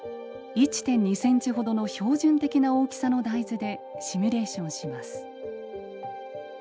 １．２センチほどの標準的な大きさの大豆でシミュレーションします。